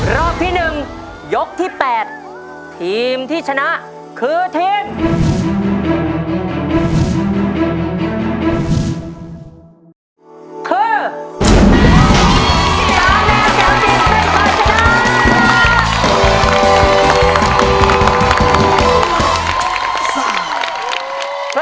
ตอนนี้ตอนนี้๓แนวเจียวจริงนะครับ